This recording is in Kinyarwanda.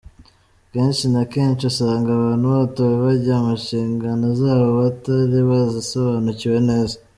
Kenshi na kenshi usanga abantu batowe bajya mu nshingano zabo batari bazisobanukiwe neza.